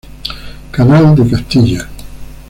Canal de Castilla.